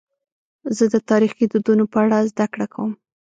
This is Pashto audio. زه د تاریخي دودونو په اړه زدهکړه کوم.